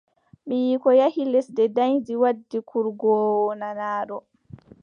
Ɓiyiiko yahi lesdi daayiindi waddi kurgoowo nanaaɗo.